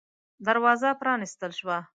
دروازه پًرانيستل شوه.